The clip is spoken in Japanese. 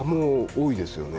多いですよね。